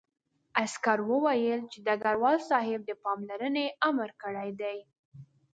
عسکر وویل چې ډګروال صاحب د پاملرنې امر کړی دی